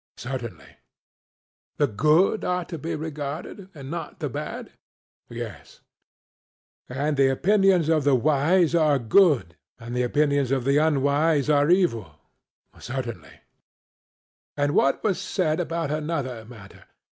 CRITO: Certainly. SOCRATES: The good are to be regarded, and not the bad? CRITO: Yes. SOCRATES: And the opinions of the wise are good, and the opinions of the unwise are evil? CRITO: Certainly. SOCRATES: And what was said about another matter?